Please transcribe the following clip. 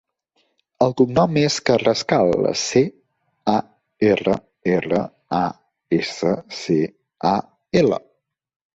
El cognom és Carrascal: ce, a, erra, erra, a, essa, ce, a, ela.